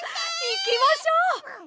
いきましょう！